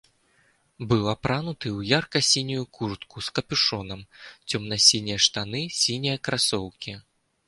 Быў апрануты ў ярка-сінюю куртку з капюшонам, цёмна-сінія штаны, сінія красоўкі.